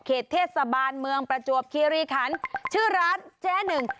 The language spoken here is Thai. เทศบาลเมืองประจวบคีรีคันชื่อร้านเจ๊หนึ่ง